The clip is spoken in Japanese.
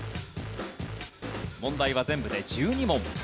問題は全部で１２問。